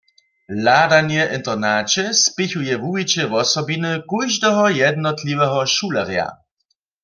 Hladanje w internaće spěchuje wuwiće wosobiny kóždeho jednotliweho šulerja.